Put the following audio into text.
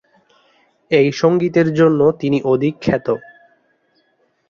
এই সঙ্গীতের জন্য তিনি অধিক খ্যাত।